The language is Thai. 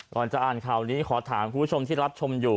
ก่อนจะอ่านข่าวนี้ขอถามคุณผู้ชมที่รับชมอยู่